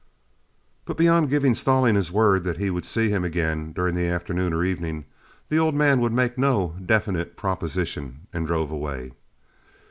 But beyond giving Stallings his word that he would see him again during the afternoon or evening, the old man would make no definite proposition, and drove away.